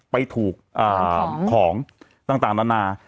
ไปถูกของต่างนานา